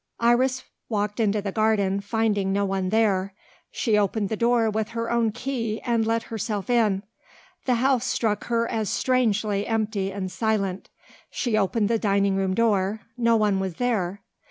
Iris walked into the garden, finding no one there. She opened the door with her own key and let herself in. The house struck her as strangely empty and silent. She opened the dining room door: no one was there.